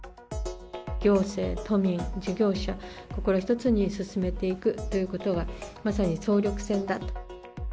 行政、都民、事業者が心ひとつに進めていくということが、まさに総力戦だと。